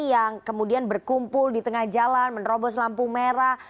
yang kemudian berkumpul di tengah jalan menerobos lampu merah